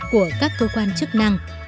của các cơ quan chức năng